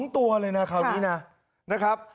ตัวเลยนะคราวนี้นะครับ